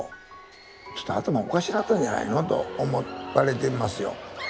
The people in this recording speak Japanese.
ちょっと頭おかしなったんじゃないのと思われてますよ。